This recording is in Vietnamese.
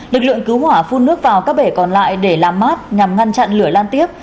lực lượng cứu hỏa phun nước vào các bể còn lại để làm mát nhằm ngăn chặn lửa lan tiếp